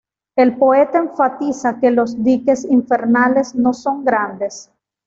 El poeta enfatiza que los diques infernales no son grandes.